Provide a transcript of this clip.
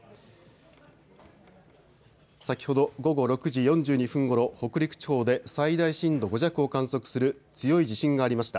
先ほど午後６時４２分ごろ北陸地方で最大震度５弱を観測する強い地震がありました。